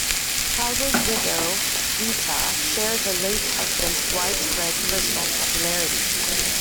Childers's widow, Rita, shared her late husband's widespread personal popularity.